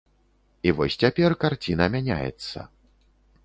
І вось цяпер карціна мяняецца.